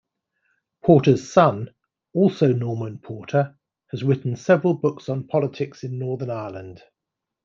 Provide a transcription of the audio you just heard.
Porter's son, also Norman Porter, has written several books on politics in Northern Ireland.